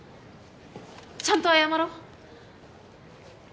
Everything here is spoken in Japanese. ちゃんと謝ろう。